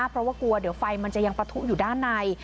เพราะว่ากลัวเดี๋ยวไฟมันจะยังปะทุอยู่ด้านใน